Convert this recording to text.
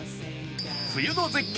冬の絶景